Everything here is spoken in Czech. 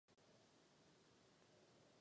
Studoval ve Wittenbergu.